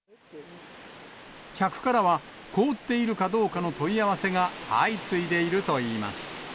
客からは、凍っているかどうかの問い合わせが相次いでいるといいます。